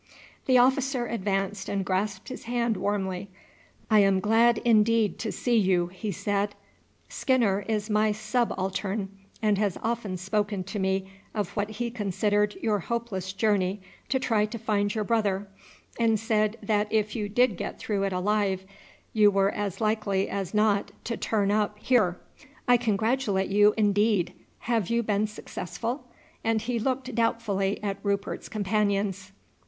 The officer advanced and grasped his hand warmly. "I am glad indeed to see you," he said; "Skinner is my subaltern, and has often spoken to me of what he considered your hopeless journey to try to find your brother, and said that if you did get through it alive you were as likely as not to turn up here. I congratulate you indeed. Have you been successful?" and he looked doubtfully at Rupert's companions.